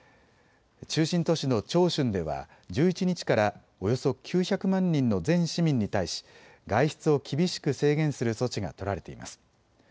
中心都市の長春では１１日からおよそ９００万人の全市民に対し外出を厳しく制限する措置が取られています。